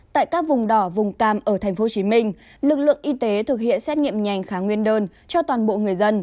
tại các vùng đỏ vùng cam ở thành phố hồ chí minh lực lượng y tế thực hiện xét nghiệm nhanh khá nguyên đơn cho toàn bộ người dân